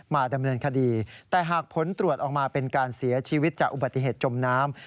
มาดำเนินคดีแต่หากผลตรวจออกมาเป็นการเสียชีวิตจากอุบัติเหตุจมน้ำ